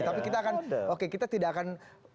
tapi kita akan oke kita tidak akan